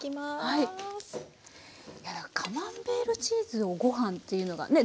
いやカマンベールチーズをご飯っていうのがねっ！